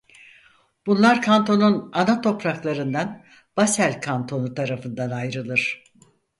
Bunlar kantonun ana topraklarından Basel kantonu tarafından ayrılır.